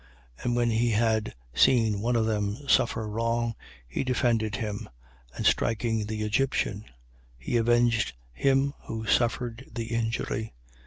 7:24. And when he had seen one of them suffer wrong, he defended him: and striking the Egyptian, he avenged him who suffered the injury.